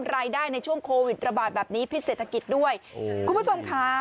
ในช่วงโควิดระบาดแบบนี้พิษเศรษฐกิจด้วยคุณผู้ชมค่ะ